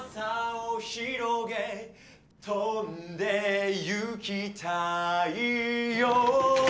「翼をひろげ」「飛んで行きたいよ」